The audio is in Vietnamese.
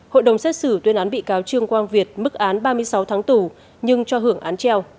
hội đồng xét xử tuyên án bị cáo trương quang việt mức án ba mươi sáu tháng tù nhưng cho hưởng án treo